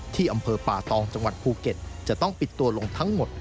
ที่อำเภอป่าตองจังหวัดภูเก็ตจะต้องปิดตัวลงทั้งหมด